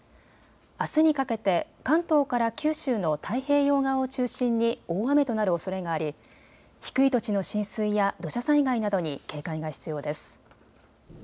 あすにかけて関東から九州の太平洋側を中心に大雨となるおそれがあり低い土地の浸水や土砂災害などに警戒が必要です。